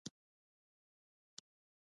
خو صوفیانو د اسلام په خپرولو کې رول درلود